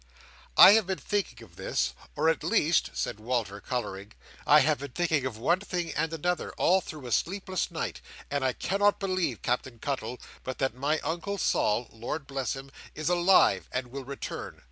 "I have been thinking of this, or, at least," said Walter, colouring, "I have been thinking of one thing and another, all through a sleepless night, and I cannot believe, Captain Cuttle, but that my Uncle Sol (Lord bless him!) is alive, and will return.